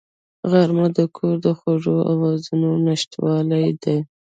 غرمه د کور د خوږو آوازونو نشتوالی دی